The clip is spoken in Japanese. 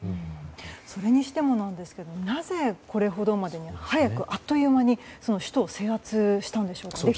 それにしてもなんですがなぜ、これほどまでに早くあっという間に首都を制圧できたんでしょうか。